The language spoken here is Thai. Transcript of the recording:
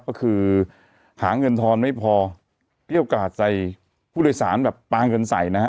ก็คือหาเงินทอนไม่พอเปรี้ยวกาดใส่ผู้โดยสารแบบปลาเงินใส่นะฮะ